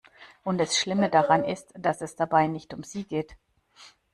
Und das Schlimme daran ist, dass es dabei nicht um sie geht.